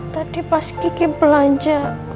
tadi pas kiki belanja